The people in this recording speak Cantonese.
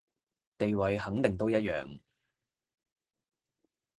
地位肯定都一樣